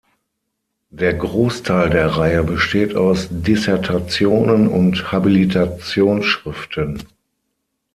Der Großteil der Reihe besteht aus Dissertationen und Habilitationsschriften.